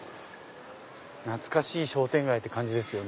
懐かしい商店街って感じですよね。